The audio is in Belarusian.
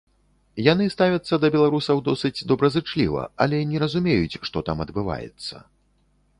Яны ставяцца да беларусаў досыць добразычліва, але не разумеюць, што там адбываецца.